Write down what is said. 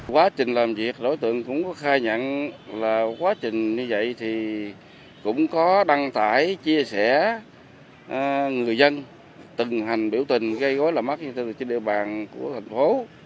quá trình làm việc đối tượng cũng có khai nhận là quá trình như vậy thì cũng có đăng tải chia sẻ người dân từng hành biểu tình gây gói làm mắt trên địa bàn của thành phố